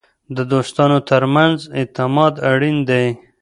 د دوستانو ترمنځ اعتماد اړین دی.